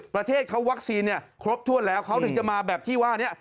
ประเทศเขาวัคซีนครบถ้วนแล้วเขาถึงจะมาแบบที่ว่านี้